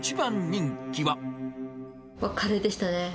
カレーでしたね。